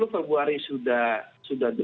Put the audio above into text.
sepuluh februari sudah